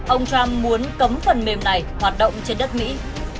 ông trump muốn cấm phần mềm này hoạt động trên đất mỹ